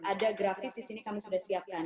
ada grafis di sini kami sudah siapkan